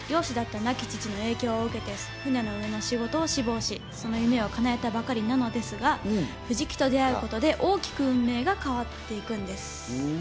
漁師だった亡き父の影響を受けて船の上の仕事を志望し、その夢をかなえたばかりなのですが、藤木と出会うことで大きく運命が変わっていくんです。